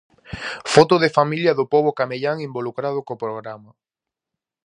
Foto de familia do pobo camellán involucrado co programa.